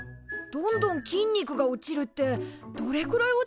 どんどん筋肉が落ちるってどれぐらい落ちちゃうんだろう？